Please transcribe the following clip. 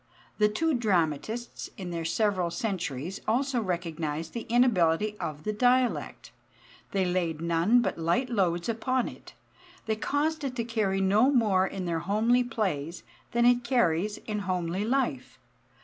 The two dramatists in their several centuries also recognized the inability of the dialect. They laid none but light loads upon it. They caused it to carry no more in their homely plays than it carries in homely life.